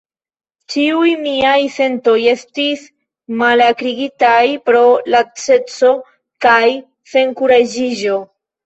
Ĉiuj miaj sentoj estis malakrigitaj pro laceco kaj senkuraĝiĝo.